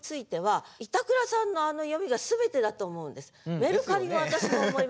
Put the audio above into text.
メルカリは私も思いました。